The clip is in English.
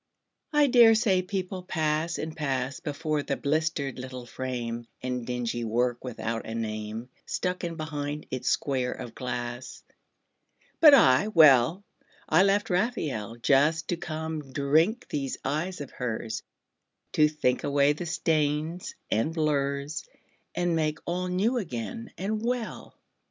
I dare say people pass and pass Before the blistered little frame, And dingy work without a name Stuck in behind its square of glass. But I, well, I left Raphael Just to come drink these eyes of hers, To think away the stains and blurs And make all new again and well.